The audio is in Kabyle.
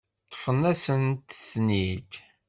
Ṭṭfen-asent-ten-id.